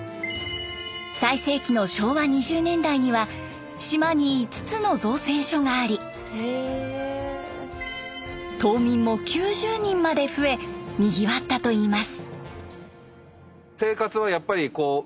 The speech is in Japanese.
最盛期の昭和２０年代には島に５つの造船所があり島民も９０人まで増えにぎわったといいます。